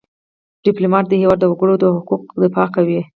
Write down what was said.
ډيپلومات د هېواد د وګړو د حقوقو دفاع کوي .